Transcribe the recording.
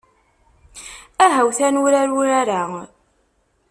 Ahawt ad nurar urar-a.